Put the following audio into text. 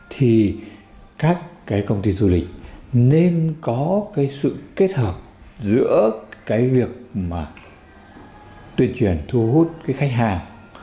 thì các cái công ty du lịch nên có cái sự kết hợp giữa cái việc mà tuyên truyền thu hút cái khách hàng